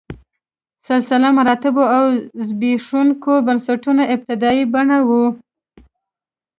سلسله مراتبو او زبېښونکو بنسټونو ابتدايي بڼه وه.